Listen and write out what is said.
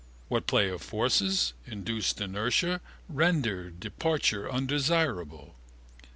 What play of forces, inducing inertia, rendered departure undesirable?